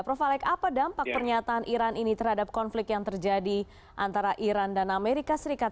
prof alex apa dampak pernyataan iran ini terhadap konflik yang terjadi antara iran dan amerika serikat